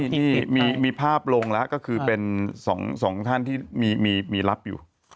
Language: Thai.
ที่มีภาพลงแล้วก็คือเป็นสองท่านที่มีรับอยู่